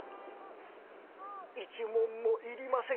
「１文もいりません」。